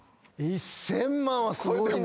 １，０００万はすごいな。